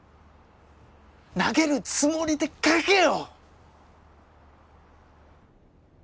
投げるつもりで書けよ！